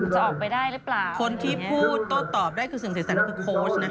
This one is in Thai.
จะออกไปได้หรือเปล่าคนที่พูดโต้ตอบได้คือสิ่งเสียแสบก็คือโค้ชนะคะ